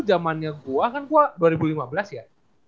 jamannya gua kan gua dua ribu lima belas ya